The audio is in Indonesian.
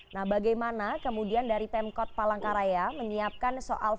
nah bagaimana kemudian dari pemkot palangkaraya menyiapkan soal